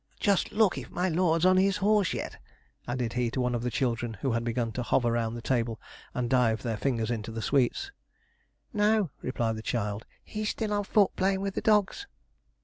'Just look if my lord's on his horse yet,' added he to one of the children, who had begun to hover round the table and dive their fingers into the sweets. 'No,' replied the child; 'he's still on foot, playing with the dogs.'